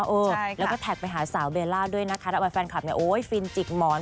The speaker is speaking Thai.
ใช่ครับแล้วก็แท็กไปหาสาวเบลล่าด้วยนะคะแต่เอามาแฟนคลับโอ้ยฟินจิกหมอน